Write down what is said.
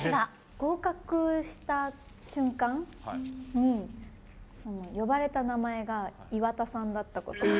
合格した瞬間に呼ばれた名前がイワタさんだったこと。